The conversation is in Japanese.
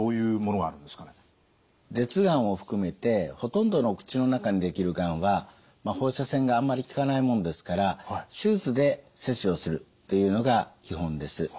舌がんを含めてほとんどの口の中にできるがんは放射線があんまり効かないもんですから手術で切除するというのが基本です。